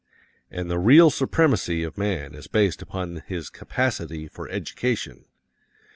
And the real supremacy of man is based upon his capacity for education.